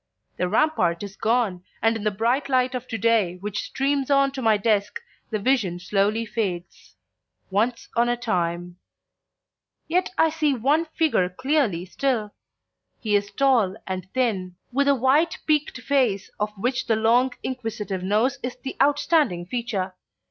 The rampart is gone, and in the bright light of to day which streams on to my desk the vision slowly fades. Once on a time .. Yet I see one figure clearly still. He is tall and thin, with a white peaked face of which the long inquisitive nose is the outstanding feature.